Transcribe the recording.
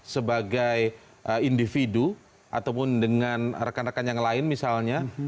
sebagai individu ataupun dengan rekan rekan yang lain misalnya